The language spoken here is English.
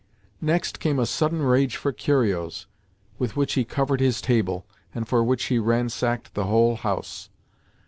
Next came a sudden rage for curios, with which he covered his table, and for which he ransacked the whole house.